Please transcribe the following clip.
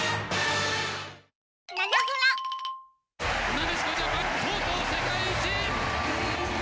なでしこジャパンとうとう世界一！